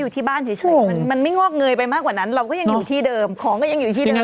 ต้องกินมันนี่หน่อย